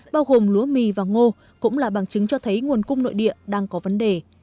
bao gồm lúa mì và ngô cũng là bằng chứng cho thấy nguồn cung nội địa đang có vấn đề